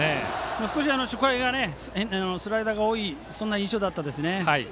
少し初回がスライダーが多い印象だったです。